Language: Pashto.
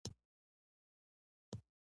پسه د افغانستان یوه مهمه طبیعي ځانګړتیا ده.